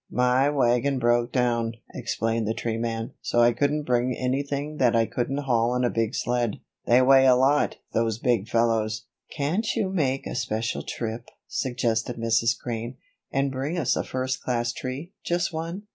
"My wagon broke down," explained the tree man, "so I couldn't bring anything that I couldn't haul on a big sled. They weigh a lot, those big fellows." "Can't you make a special trip," suggested Mrs. Crane, "and bring us a first class tree just one?"